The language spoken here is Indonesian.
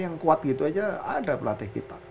yang kuat gitu aja ada pelatih kita